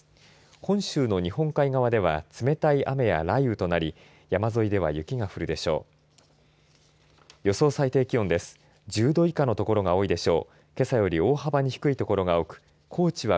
本州の日本海側では冷たい雨や雷雨となり山沿いでは雪が降るでしょう。